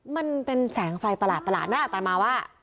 มันเป็นแสงไฟประหลาดนั่นอาจารย์มาว่า